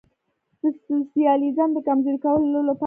د سوسیالیزم د کمزوري کولو لپاره.